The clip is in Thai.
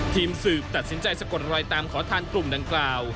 ทีมสืบตัดสินใจสะกดรอยตามขอทานกลุ่มดังกล่าว